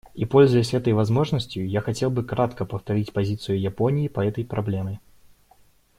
И пользуясь этой возможностью, я хотел бы кратко повторить позицию Японии по этой проблеме.